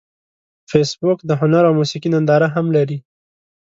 فېسبوک د هنر او موسیقۍ ننداره هم لري